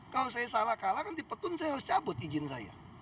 kalau saya salah kalah kan di petun saya harus cabut izin saya